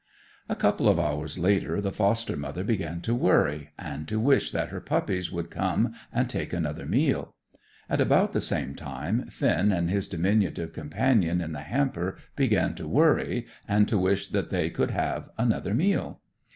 A couple of hours later, the foster mother began to worry, and to wish that her puppies would come and take another meal. At about the same time Finn and his diminutive companion in the hamper began to worry, and to wish that they could have another meal.